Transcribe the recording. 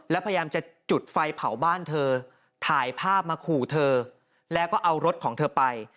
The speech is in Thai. แล้วพยายามจะจุดไฟเผาบ้านเธอถ่ายภาพมาขู่เธอแล้วก็เอารถของเธอไป